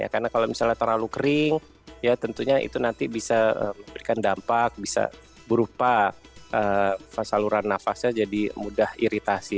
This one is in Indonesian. karena kalau misalnya terlalu kering ya tentunya itu nanti bisa memberikan dampak bisa berupa saluran nafasnya jadi mudah iritasi